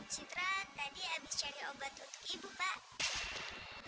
citra tadi habis cari obat untuk ibu pak